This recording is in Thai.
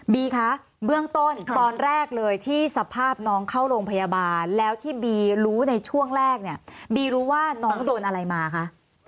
คะเบื้องต้นตอนแรกเลยที่สภาพน้องเข้าโรงพยาบาลแล้วที่บีรู้ในช่วงแรกเนี่ยบีรู้ว่าน้องโดนอะไรมาคะ